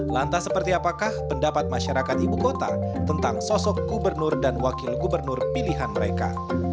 lantas seperti apakah pendapat masyarakat ibu kota tentang sosok gubernur dan wakil gubernur pilihan mereka